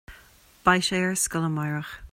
Beidh sé ar scoil amárach